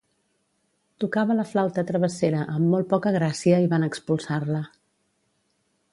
Tocava la flauta travessera amb molt poca gràcia i van expulsar-la.